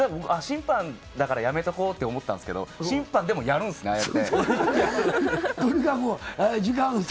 審判だからやめとこうって思ったんですけど、審判でもやるんですね。